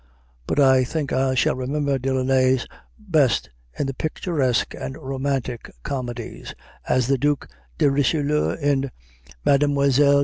But I think I shall remember Delaunay best in the picturesque and romantic comedies as the Duc de Richelieu in "Mlle.